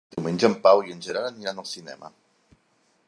Diumenge en Pau i en Gerard aniran al cinema.